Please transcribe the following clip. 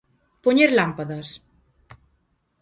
¿Poñer lámpadas?